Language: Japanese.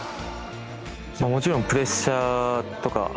もちろんプレッシャーとか